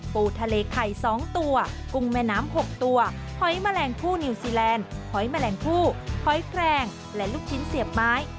ปูทะเลไข่๒ตัวกุ้งแม่น้ำ๖ตัวหอยแมลงผู้นิวซีแลนด์หอยแมลงผู้หอยแครงและลูกชิ้นเสียบไม้